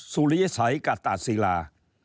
สุริสัยกตะศิลา